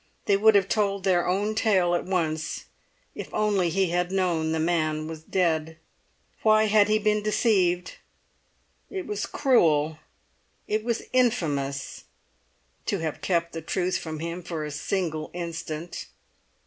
They would have told their own tale at once, if only he had known the man was dead. Why had he been deceived? It was cruel, it was infamous, to have kept the truth from him for a single instant.